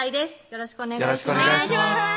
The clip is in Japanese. よろしくお願いします